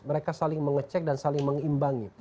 mereka saling mengecek dan saling mengimbangi